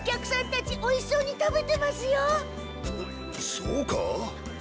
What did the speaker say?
そうかあ？